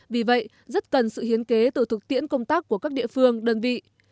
vì vậy rất cần sự hiến kế từ thực tiễn công tác của các địa phương đơn vị